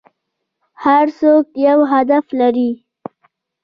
هر څوک یو هدف لري .